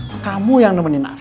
papa minta kamu yang nemenin arin